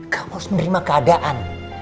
kamu harus menerima keadaan